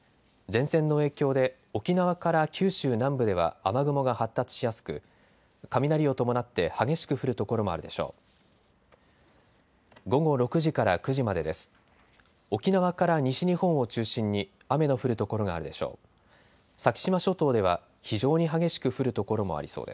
前線の影響で沖縄から九州南部では雨雲が発達しやすく雷を伴って激しく降る所もあるでしょう。